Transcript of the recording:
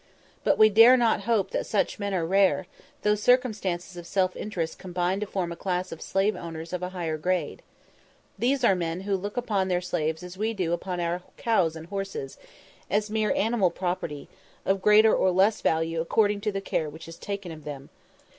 But we dare not hope that such men are rare, though circumstances of self interest combine to form a class of slave owners of a higher grade. These are men who look upon their slaves as we do upon our cows and horses as mere animal property, of greater or less value according to the care which is taken of them.